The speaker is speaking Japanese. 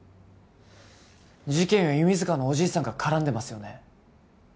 事件は弓塚のおじいさんが絡んでますよね？